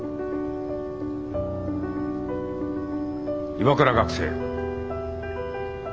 岩倉学生。